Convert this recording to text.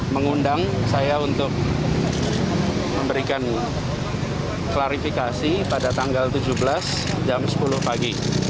mengundang saya untuk memberikan klarifikasi pada tanggal tujuh belas jam sepuluh pagi